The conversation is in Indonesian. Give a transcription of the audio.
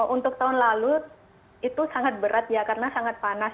untuk tahun lalu itu sangat berat ya karena sangat panas